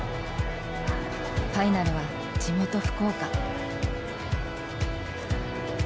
ファイナルは地元福岡。